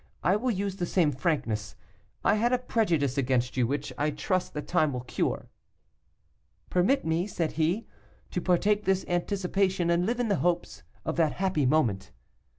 I will use the same frankness. I had a prejudice against you, which I trust that time will cure.' 'Permit me,' said he, 'to partake this anticipation and live in the hopes of that happy moment.